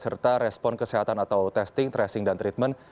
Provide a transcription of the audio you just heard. serta respon kesehatan atau testing tracing dan treatment